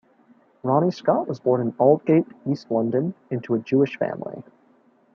Ronnie Scott was born in Aldgate, East London, into a Jewish family.